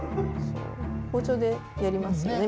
包丁でやりますね